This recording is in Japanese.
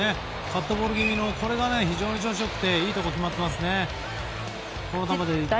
カットボール気味のこれが非常に調子良くていいところ決まっていますね。